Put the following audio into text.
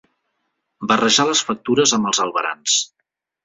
Barrejar les factures amb els albarans.